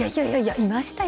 いましたよ。